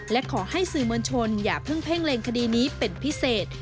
และขอให้สื่อมวลชนอย่าเพิ่งเพ่งเล็งคดีนี้เป็นพิเศษ